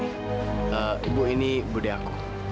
ee ibu ini bu deh aku